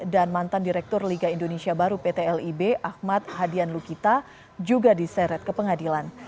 dan mantan direktur liga indonesia baru pt lib ahmad hadian lukita juga diseret ke pengadilan